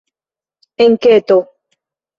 enketo